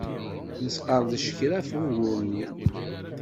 Nesqerdec kra ɣef ugur-nni.